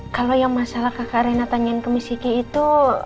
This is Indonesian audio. kalau yang masalah kakak reina tanyain ke miss kiki itu